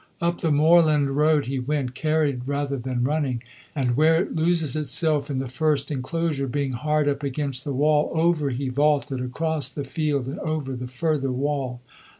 Up the moorland road he went, carried rather than running, and where it loses itself in the first enclosure, being hard up against the wall, over he vaulted, across the field and over the further wall.